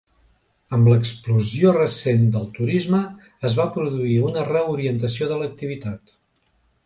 Amb l'explosió recent del turisme, es va produir una reorientació de l'activitat.